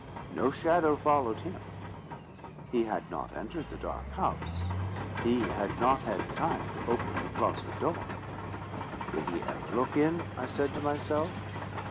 No shadow followed him. He had not entered the dark house; he had not had time to open the closet door. "Will he ever look in?" I said to myself.